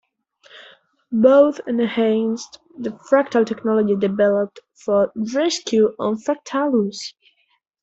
Both enhanced the fractal technology developed for "Rescue on Fractalus!".